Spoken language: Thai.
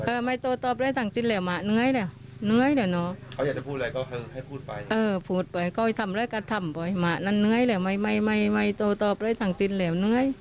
เออพูดไปก็ทำอะไรก็ทำไปหมานั้นไงไม่ตอบเลยทางจินแล้วไง